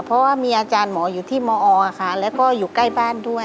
เพราะว่ามีอาจารย์หมออยู่ที่มอค่ะแล้วก็อยู่ใกล้บ้านด้วย